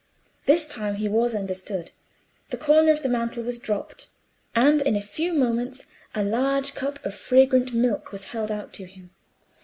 This time he was understood; the corner of the mantle was dropped, and in a few moments a large cup of fragrant milk was held out to him.